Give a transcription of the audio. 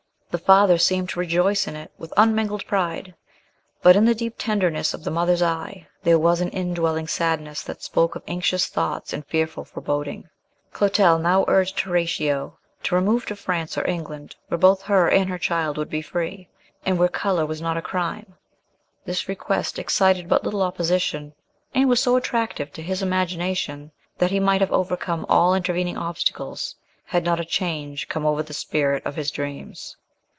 The father seemed to rejoice in it with unmingled pride; but in the deep tenderness of the mother's eye, there was an indwelling sadness that spoke of anxious thoughts and fearful foreboding. Clotel now urged Horatio to remove to France or England, where both her and her child would be free, and where colour was not a crime. This request excited but little opposition, and was so attractive to his imagination, that he might have overcome all intervening obstacles, had not "a change come over the spirit of his dreams."